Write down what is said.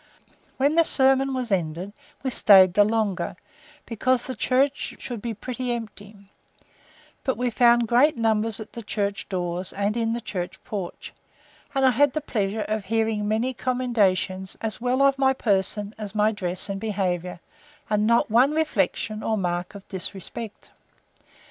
When the sermon was ended, we staid the longer, because the church should be pretty empty; but we found great numbers at the church doors, and in the church porch; and I had the pleasure of hearing many commendations, as well of my person, as my dress and behaviour, and not one reflection, or mark of disrespect.